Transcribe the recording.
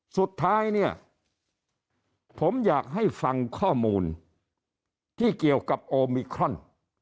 สุดท้ายเนี่ยผมอยากให้ฟังข้อมูลที่เกี่ยวกับโอมิครอน